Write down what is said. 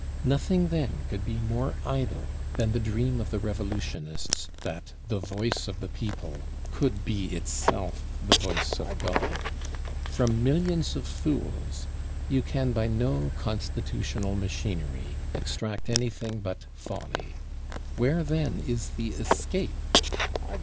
Nothing then could be more idle than the dream of the revolutionists that the voice of the people could be itself the voice of God. From millions of fools you can by no constitutional machinery extract anything but folly. Where then is the escape?